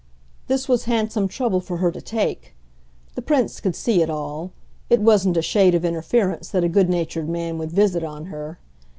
This was handsome trouble for her to take the Prince could see it all: it wasn't a shade of interference that a good natured man would visit on her.